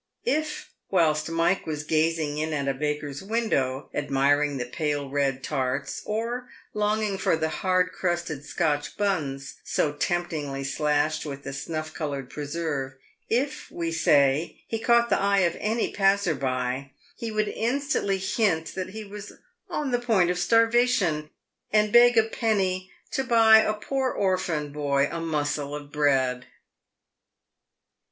If, whilst Mike was gazing in at a baker's window, admiring the pale red tarts, or longing for the hard crusted Scotch buns, so temptingly slashed with the snuff coloured preserve — if, we say, he caught the eye of any passer by, he would instantly hint that he was on the point of starvation, and beg a penny " to buy a poor orphan boy a mossel of bread."